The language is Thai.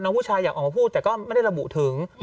ผู้ชายอยากออกมาพูดแต่ก็ไม่ได้ระบุถึง